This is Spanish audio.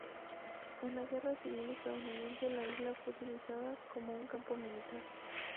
En la Guerra Civil estadounidense, la isla fue utilizada como un campo militar.